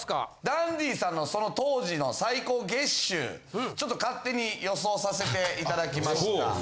ダンディさんのその当時の最高月収ちょっと勝手に予想させていただきました。